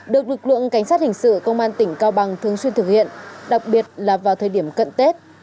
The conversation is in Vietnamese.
được lực lượng cảnh sát hình sự công an tỉnh cao bằng thường xuyên thực hiện đặc biệt là vào thời điểm cận tết